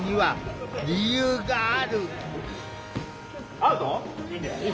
アウト？